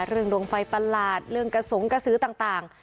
เรื่องดวงไฟประหลาดเรื่องกระสงค์กระซื้อต่างต่าง